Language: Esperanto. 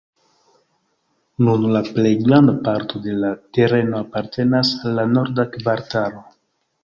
Nun la plej granda parto de la tereno apartenas al la Norda Kvartalo.